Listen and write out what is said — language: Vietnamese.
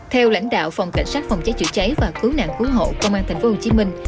theo lãnh đạo phòng cảnh sát phòng chế chủ cháy và cứu nạn cứu hộ công an tp hcm